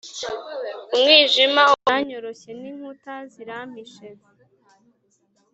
Umwijima uranyoroshe, n’inkuta zirampishe,